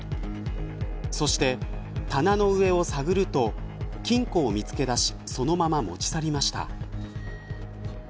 そして棚の上を探ると金庫を見つけだしそのまま持ち去りました。